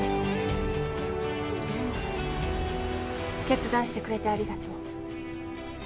決断してくれてありがとう。